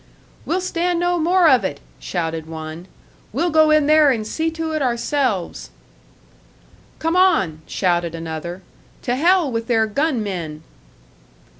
"We'll stand no more of it!" shouted one. "We'll go in there and see to it ourselves!" "Come on!" shouted another. "To hell with their gunmen!"